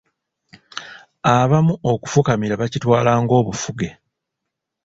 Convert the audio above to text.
Abamu okufukamira bakitwala ng'obufuge.